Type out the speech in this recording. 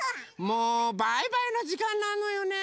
もうバイバイのじかんなのよね。